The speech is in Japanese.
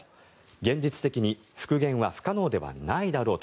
現実的に復元は不可能ではないだろうと。